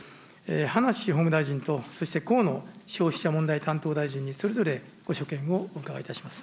葉梨法務大臣とそして河野消費者問題担当大臣に、それぞれご所見をお伺いいたします。